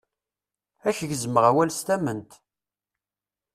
Ad ak-gezmeɣ awal s tament.